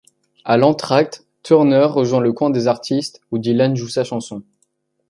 À l'entracte, Turner rejoint le coin des artistes, où Dylan joue sa chanson.